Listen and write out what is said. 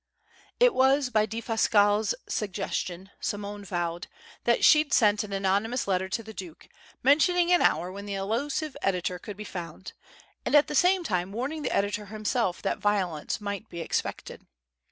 It was by Defasquelle's suggestion, Simone vowed, that she'd sent an anonymous letter to the Duke, mentioning an hour when the illusive editor could be found, and at the same time warning the editor himself that violence might be expected.